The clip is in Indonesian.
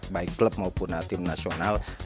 baik klub maupun tim nasional